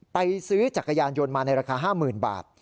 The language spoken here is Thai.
ซื้อจักรยานยนต์มาในราคา๕๐๐๐บาท